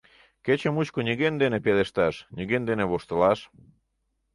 Кече мучко нигӧн дене пелешташ, нигӧн дене воштылаш.